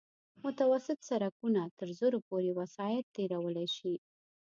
متوسط سرکونه تر زرو پورې وسایط تېرولی شي